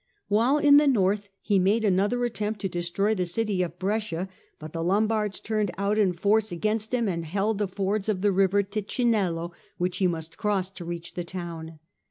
While in the north he made another attempt to destroy the city of Brescia, but the Lombards turned out in force against him and held the fords of the river Ticinello which he must cross to reach the town.